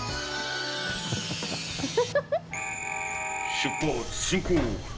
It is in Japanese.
出発進行。